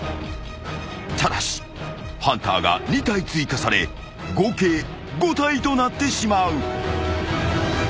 ［ただしハンターが２体追加され合計５体となってしまう］